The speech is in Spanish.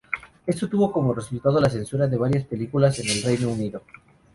Esto tuvo como resultado la censura de varias películas en el Reino Unido.